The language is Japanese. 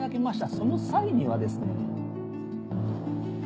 その際にはですね。